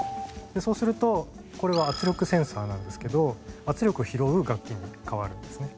そうするとこれは圧力センサーなんですけど圧力を拾う楽器に変わるんですね。